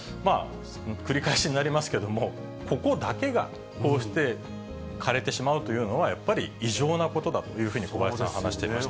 繰り返しになりますけど、ここだけが、こうして枯れてしまうというのは、やっぱり異常なことだというふうに小林さん、話していました。